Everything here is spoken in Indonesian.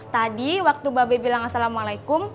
tadi waktu mbak be bilang assalamualaikum